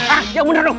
ah yang bener dong